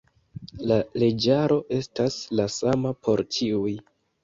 La leĝaro estas la sama por ĉiuj.